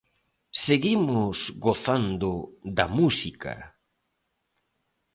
Seguimos gozando da música.